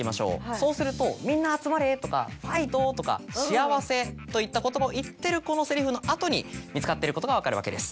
そうすると「みんな集まれ！」とか「ファイト」とか「幸せ」といった言葉を言ってるこのセリフの後に見つかってることが分かるわけです。